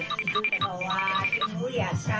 โกโกวาดินยายจ๊ะ